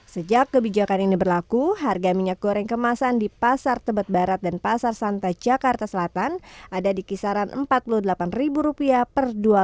sejak kebijakan ini berlaku harga minyak goreng kemasan di pasar tebet barat dan pasar santa jakarta selatan ada di kisaran rp empat puluh delapan per dua puluh